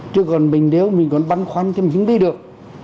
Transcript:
chứ còn mình nếu mình còn băn khoăn thì mình đi được